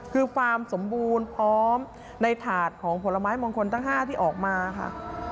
คือความสมบูรณ์พร้อมในถาดของผลไม้มงคลทั้ง๕ที่ออกมาค่ะ